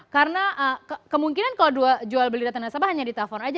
karena kemungkinan kalau dua jual beli data nasabah hanya di telepon aja